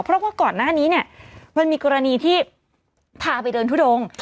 เพราะว่าก่อนหน้านี้เนี่ยมันมีกรณีที่พาไปเดินทุดง